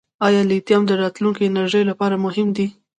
آیا لیتیم د راتلونکي انرژۍ لپاره مهم دی؟